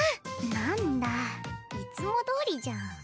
なんだいつもどおりじゃん。